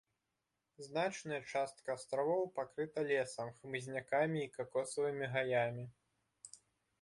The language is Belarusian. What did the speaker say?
Значная частка астравоў пакрыта лесам, хмызнякамі і какосавымі гаямі.